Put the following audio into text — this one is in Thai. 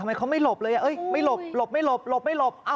ทำไมเขาไม่หลบเลยไม่หลบหลบไม่หลบหลบไม่หลบ